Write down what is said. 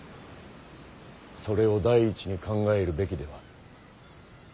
それを第一に考えるべきでは。